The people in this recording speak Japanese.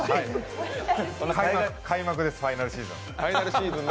開幕です、ファイナルシーズン。